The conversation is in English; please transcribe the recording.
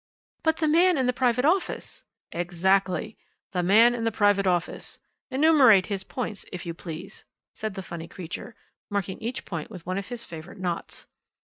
"But the man in the private office " "Exactly! the man in the private office. Enumerate his points, if you please," said the funny creature, marking each point with one of his favourite knots.